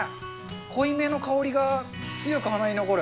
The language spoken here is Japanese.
濃いめの香りが強く鼻に残る。